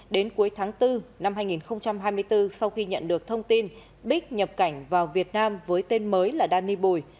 đến cuối tháng bốn năm hai nghìn hai mươi bốn sau khi nhận được thông tin bích nhập cảnh vào việt nam với tên mới là danny bùi